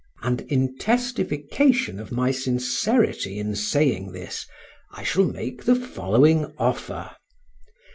And, in testification of my sincerity in saying this, I shall make the following offer.